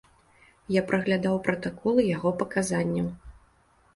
Я праглядаў пратаколы яго паказанняў.